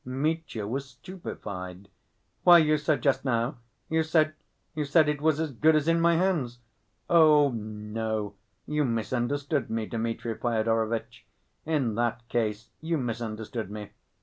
Mitya was stupefied. "Why, you said just now ... you said ... you said it was as good as in my hands—" "Oh, no, you misunderstood me, Dmitri Fyodorovitch. In that case you misunderstood me.